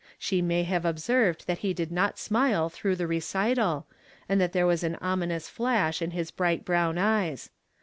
She may have observed that he did not smile throughout the reeital, and that there was an ominous llasli in his bright brown eyes.